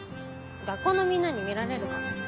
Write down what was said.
学校のみんなに見られるから。